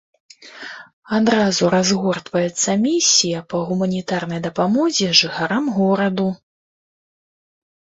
Адразу разгортваецца місія па гуманітарнай дапамозе жыхарам гораду.